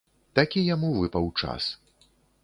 Такі яму выпаў час.